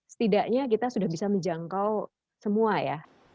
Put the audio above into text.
setidaknya kita sudah bisa menjangkau semua ya